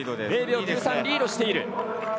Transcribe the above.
０秒９３リードしている。